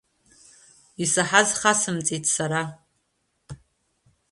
Исаҳаз хасымҵеит сара.